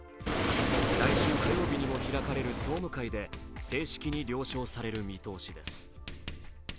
来週火曜日にも開かれる総務会で正式に了承される見通しです。